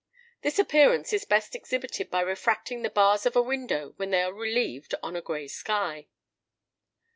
This appearance is best exhibited by refracting the bars of a window when they are relieved on a grey sky.